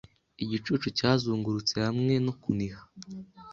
Igicucu cyazungurutse hamwe no kuniha